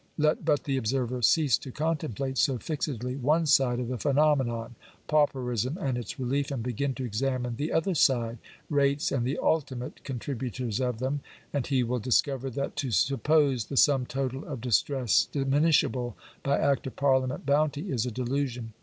Let but the observer cease to contemplate so fixedly one side of the phenomenon — pauperism and its relief, and begin to examine the other side — rates and the ultimate contributors of them, and he will discover that to suppose the sum total of dis tress diminishable by act of parliament bounty is a delusion.